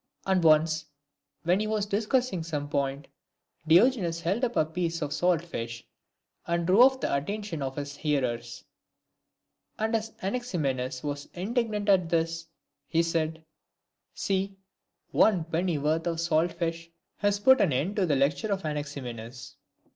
And once, when he was discussing some point, Diogenes held up a piece of salt fish, and drew off the attention of his hearers ; and as Anaximenes was indignant at this, he said, " See, one pennyworth of salt fish has put an end to the lecture of Anaximenes."